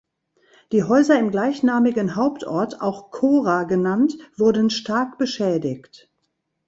Die Häuser im gleichnamigen Hauptort, auch Chora genannt, wurden stark beschädigt.